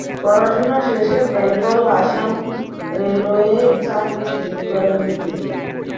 পড়াশোনা শেষে বেঙ্গল আসাম রেলওয়ে চাকরি শুরু করেন তিনি।